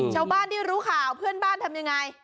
ชาวบ้านที่รู้ข่าวเพื่อนบ้านทำยังไง